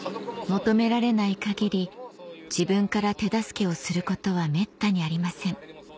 求められない限り自分から手助けをすることはめったにありません